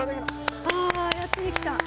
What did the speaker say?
あやっと出来た。